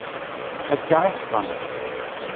Akka i ḥṣan.